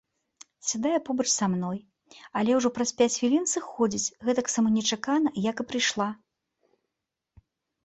Сядае побач са мной, але ўжо праз пяць хвілін сыходзіць гэтаксама нечакана, як прыйшла.